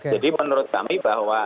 jadi menurut kami bahwa